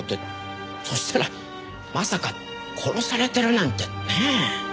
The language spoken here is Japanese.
そうしたらまさか殺されてるなんてねえ。